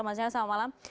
mas yonselman selamat malam